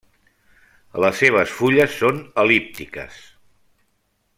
Les seves fulles són el·líptiques.